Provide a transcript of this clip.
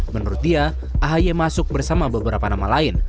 menurut dia ahy masuk bersama beberapa nama lain